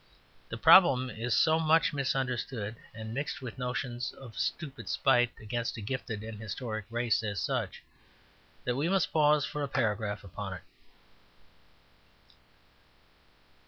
The problem is so much misunderstood and mixed with notions of a stupid spite against a gifted and historic race as such, that we must pause for a paragraph upon it.